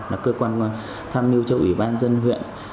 là cơ quan tham mưu cho ủy ban dân huyện